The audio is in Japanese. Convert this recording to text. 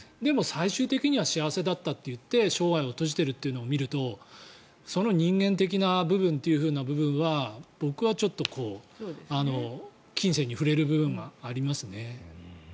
最終的には幸せだったと言って生涯を閉じているというのを見るとその人間的な部分という部分は僕はちょっと琴線に触れる部分はありますね。